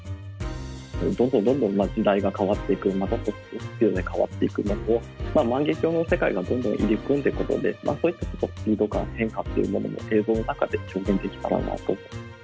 どんどんどんどん時代が変わっていく変わっていくものを万華鏡の世界がどんどん入り組んでいくことでスピード感変化っていうものも映像の中で表現できたらなと。